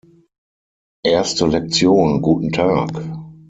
Erste Lektion - Guten Tag.